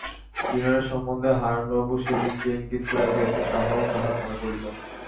বিনয়ের সম্বন্ধে হারানবাবু সেদিন যে ইঙ্গিত করিয়া গিয়াছেন তাহাও তাঁহার মনে পড়িল।